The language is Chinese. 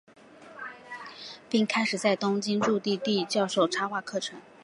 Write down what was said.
并开始在东京筑地教授插画课程。